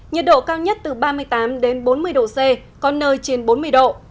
nhiệt độ cao nhất từ ba mươi tám đến bốn mươi độ c có nơi trên bốn mươi độ